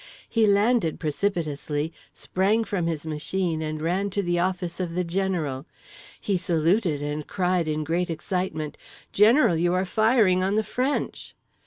He landed precipitously, sprang from his machine and ran to the office of the general. He saluted, and cried in great excitement: "General, you are firing on the French!"